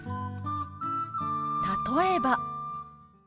例えば。